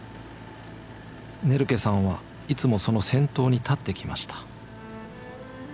ネルケさんはいつもその先頭に立ってきました。